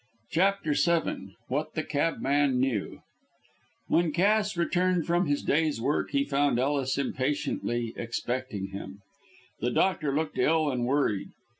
CHAPTER VII WHAT THE CABMAN KNEW When Cass returned from his day's work he found Ellis impatiently expecting him. The doctor looked ill and worried.